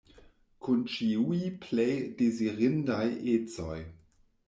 Kun ĉiuj plej dezirindaj ecoj.